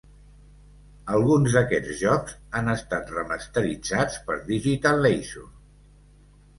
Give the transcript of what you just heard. Alguns d'aquests jocs han estat remasteritzats per Digital Leisure.